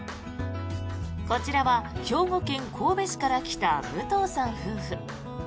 こちらは兵庫県神戸市から来た武藤さん夫婦。